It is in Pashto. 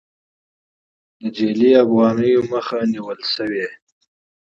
د جعلي افغانیو مخه نیول شوې؟